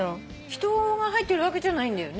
人が入ってるわけじゃないんだよね。